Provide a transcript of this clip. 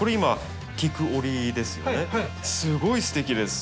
すごいすてきです。